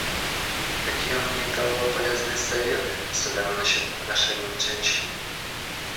Какие он мне давал полезные советы... особенно насчет отношений к женщинам.